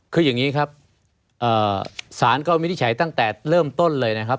คืออย่างนี้ครับศาลก็วินิจฉัยตั้งแต่เริ่มต้นเลยนะครับ